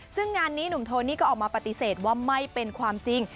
ซึ่งงานนี้หนุ่มโทนี่ก็ออกมาปฏิเสธว่าไม่เป็นความจริง